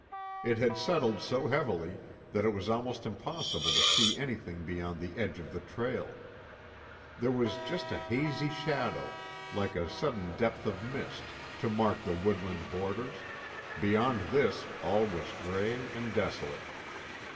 It had settled so heavily that it was almost impossible to see anything beyond the edge of the trail. There was just a hazy shadow, like a sudden depth of mist, to mark the woodland borders; beyond this all was gray and desolate.